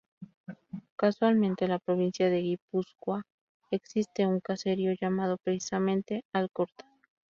Casualmente en la provincia de Guipúzcoa existe un caserío llamado precisamente "Alcorta".